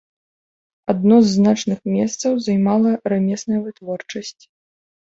Адно з значных месцаў займала рамесная вытворчасць.